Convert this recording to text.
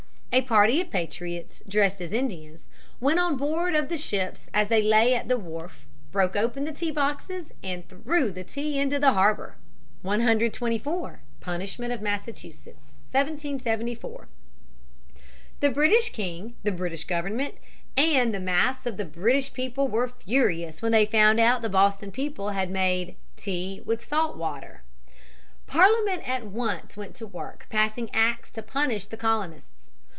A party of patriots, dressed as Indians, went on board of the ships as they lay at the wharf, broke open the tea boxes, and threw the tea into the harbor. [Sidenote: Repressive acts, 1774. McMaster, 120.] 124. Punishment of Massachusetts, 1774. The British king, the British government, and the mass of the British people were furious when they found that the Boston people had made "tea with salt water." Parliament at once went to work passing acts to punish the colonists.